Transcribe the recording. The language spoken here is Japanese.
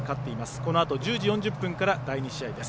このあと１０時４０分から第２試合です。